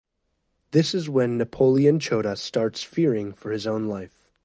This is when Napoleon Chotas starts fearing for his own life.